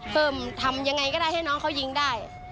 เพิ่มทำยังไงก็ได้ให้น้องเขายิงได้